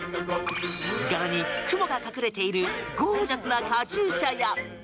柄にクモが隠れているゴージャスなカチューシャや。